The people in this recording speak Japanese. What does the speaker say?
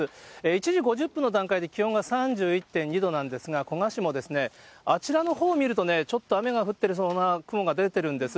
１時５０分の段階で気温が３１．２度なんですが、古河市もあちらのほう見ると、ちょっと雨が降っていそうな雲が出てるんです。